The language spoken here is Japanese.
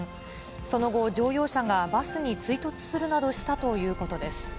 その後、乗用車がバスに追突するなどしたということです。